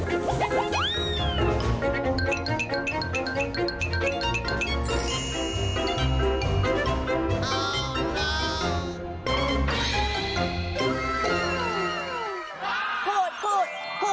อันนี้คืออะไรอันนี้คืออะไรอันนี้คือมวยทะเลถูกต้องแล้วนะครับ